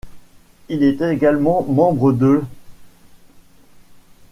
Il est également membre de l'.